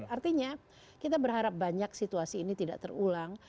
artinya kita berharap banyak situasi ini tidak terulang